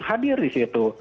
hadir di situ